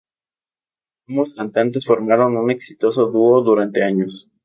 Ambos cantantes formaron un exitoso dúo durante años.